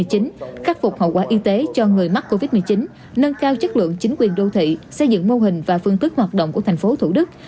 chính khắc phục hậu quả y tế cho người mắc covid một mươi chín nâng cao chất lượng chính quyền đô thị xây dựng mô hình và phương thức hoạt động của thành phố thủ đức